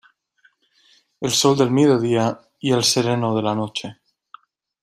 El sol del mediodía y el sereno de la noche.